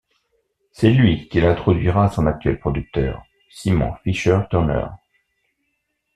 C'est lui qui l'introduira à son actuel producteur, Simon Fisher Turner.